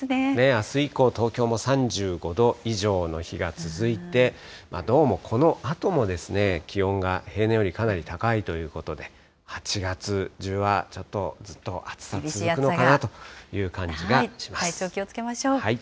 あす以降、東京も３５度以上の日が続いて、どうもこのあとも、気温が平年よりかなり高いということで、８月中は、ちょっとずっと暑さ続くのかなという感じがし体調気をつけましょう。